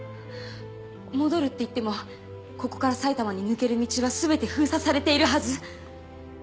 戻るっていってもここから埼玉に抜ける道は全て封鎖されているはず。